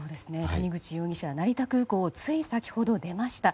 谷口容疑者は成田空港をつい先ほど出ました。